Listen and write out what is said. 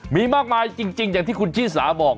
มีมากมายจริงอย่างที่คุณชี่สาบอก